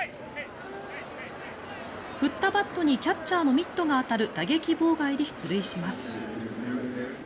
振ったバットにキャッチャーのミットが当たる打撃妨害で出塁します。